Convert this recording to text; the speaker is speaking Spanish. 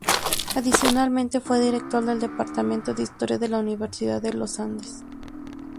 Adicionalmente, fue director del departamento de Historia de la Universidad de los Andes.